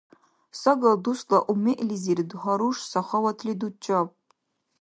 Сагал дусла умегӀлизир гьаруш сахаватли дучӀаб!